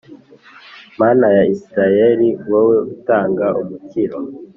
mana ya israheli, wowe utanga umukiro.